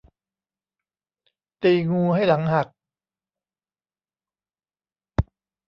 ตีงูให้หลังหัก